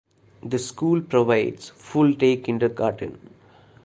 The school provides full day kindergarten.